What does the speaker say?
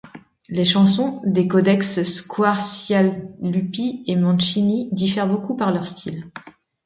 Les chansons des codex Squarcialupi et Mancini diffèrent beaucoup par leur style.